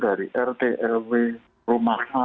dari rt rw rumah